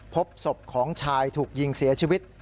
พบศพของชายถูกยิงเสียชีวิต